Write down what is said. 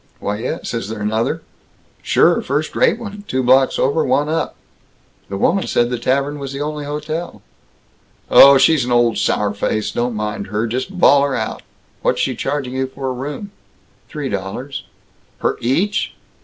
"Why yes. Is there another?" "Sure. First rate one, two blocks over, one up." "The woman said the Tavern was the only hotel." "Oh, she's an old sour face. Don't mind her. Just bawl her out. What's she charging you for a room?" "Three dollars." "Per each?